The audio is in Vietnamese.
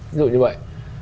ví dụ như vậy